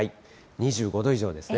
２５度以上ですね。